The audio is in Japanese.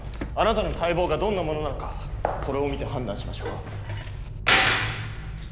あなたの大望がどんなものなのかこれを見て判断しましょう。